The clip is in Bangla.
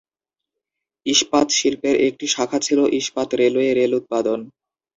ইস্পাত শিল্পের একটি শাখা ছিল ইস্পাত রেলওয়ে রেল উৎপাদন।